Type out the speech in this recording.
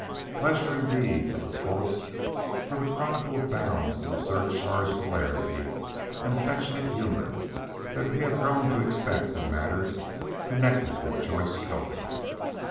Pleasure indeed of the fullest, for the chronicle abounds in the surcharged hilarity and affectionate humour that we have grown to expect in any matters connected with Joyce Kilmer.